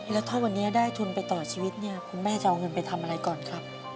แล้วถ้าวันนี้ได้ทุนไปต่อชีวิตเนี่ยคุณแม่จะเอาเงินไปทำอะไรก่อนครับ